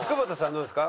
どうですか？